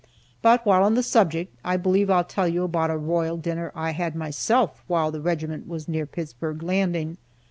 But while on this subject, I believe I'll tell you about a royal dinner I had myself while the regiment was near Pittsburg Landing.